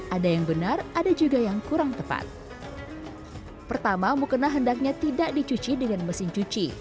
ada yang benar ada juga yang kurang tepat pertama mukena hendaknya tidak dicuci dengan mesin cuci